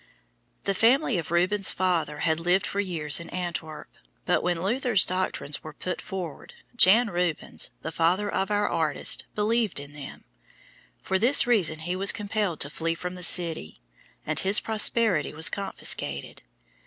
The family of Rubens' father had lived for years in Antwerp, but when Luther's doctrines were put forward Jan Rubens, the father of our artist, believed in them. For this reason he was compelled to flee from the city, and his property was confiscated.